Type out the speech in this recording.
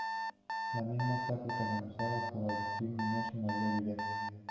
La misma está protagonizada por Agustina Muñoz y María Villar.